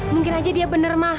mungkin aja dia benar mahal